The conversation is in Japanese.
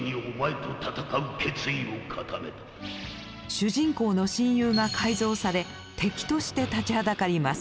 主人公の親友が改造され敵として立ちはだかります。